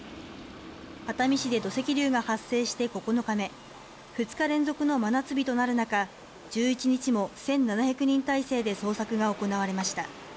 熱海市で土石流が発生して９日目２日連続の真夏日となる中１１日も１７００人態勢で捜索が行われました。